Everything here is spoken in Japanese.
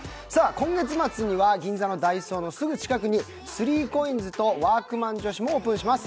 今月末には銀座のＤＡＩＳＯのすぐ近くに３ＣＯＩＮＳとワークマン女子もオープンします。